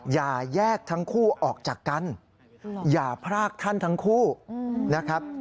อย่าแยกทั้งคู่ออกจากกันอย่าพรากท่านทั้งคู่นะครับ